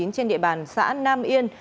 trên địa bàn xã nam yên